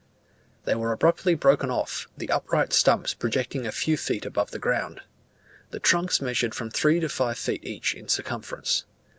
They were abruptly broken off, the upright stumps projecting a few feet above the ground. The trunks measured from three to five feet each in circumference.